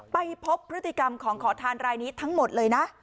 ไปพบพฤติกรรมของขอทานรายนี้ทั้งหมดเลยนะ